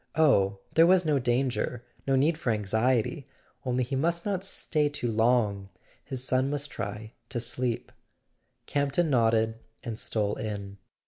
Oh, there was no danger—no need for anxiety; only he must not stay too long; his son must try to sleep. Camp ton nodded, and stole in.